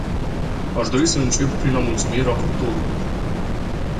Aș dori să încep prin a mulțumi raportorului.